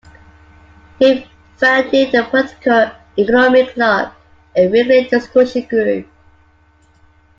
He founded the Political Economy Club, a weekly discussion group.